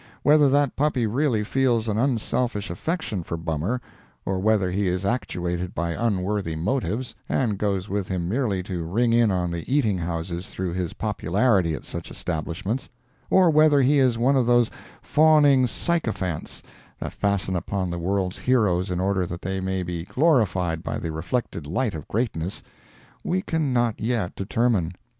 Whether that puppy really feels an unselfish affection for Bummer, or whether he is actuated by unworthy motives, and goes with him merely to ring in on the eating houses through his popularity at such establishments, or whether he is one of those fawning sycophants that fasten upon the world's heroes in order that they may be glorified by the reflected light of greatness, we can not yet determine.